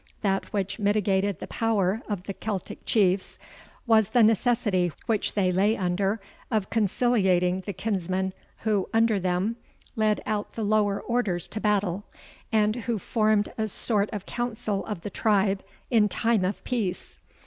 That which mitigated the power of the Celtic Chiefs, was the necessity which they lay under of conciliating the kinsmen who, under them, led out the lower orders to battle, and who formed a sort of council of the tribe in time of peace.